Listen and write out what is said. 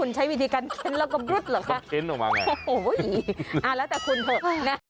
แล้วก็บรุษหรอคะโอ้โหแล้วแต่คุณเถอะ